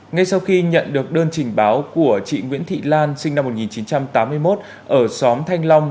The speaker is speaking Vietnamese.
ngay sau khi nhận được đơn trình báo của chị nguyễn thị lan sinh năm một nghìn chín trăm tám mươi một ở xóm thanh long